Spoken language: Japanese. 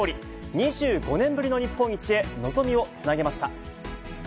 ２５年ぶりの日本一へ、望みをつなげました。